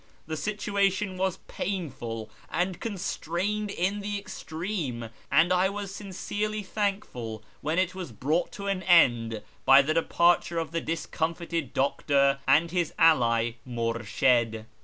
The situation was painful and constrained in the extreme, and I was sincerely thankful when it was brought to an end by the departure of the discomfited doctor and his ally " MursMd."